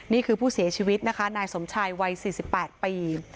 นี่คือผู้เสียชีวิตนะคะนายสมชายวัย๔๘ปี